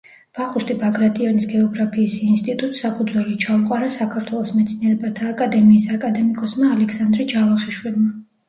ვახუშტი ბაგრატიონის გეოგრაფიის ინსტიტუტს საფუძველი ჩაუყარა საქართველოს მეცნიერებათა აკადემიის აკადემიკოსმა ალექსანდრე ჯავახიშვილმა.